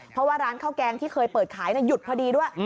เพราะว่าร้านข้าวแกงที่เคยเปิดขายหยุดพอดีด้วย